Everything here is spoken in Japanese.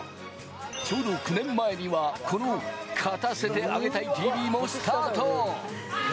ちょうど９年前には、この『勝たせてあげたいＴＶ』もスタート。